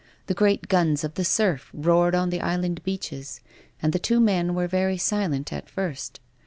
The great guns of the surf roared on the islancJ beaches. And the two men were very silent at first.